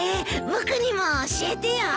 僕にも教えてよ。